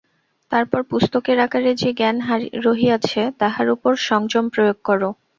তারপর পুস্তকের আকারে যে জ্ঞান রহিয়াছে, তাহার উপর সংযম প্রয়োগ কর।